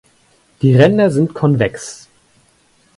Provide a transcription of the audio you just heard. Die Ränder sind konvex.